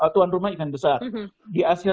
tuan rumah event besar di asia